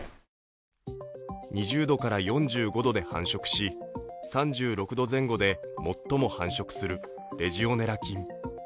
２０度から４５度で繁殖し、３６度前後で最も繁殖するレジオネラ菌。